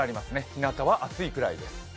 ひなたは暑いくらいです。